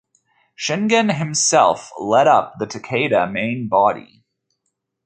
Shingen himself led up the Takeda main body.